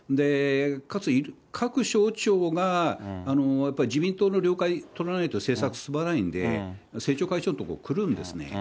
かつ、各省庁がやっぱり自民党の了解取らないと政策進まないんで、政調会長のとこ来るんですね。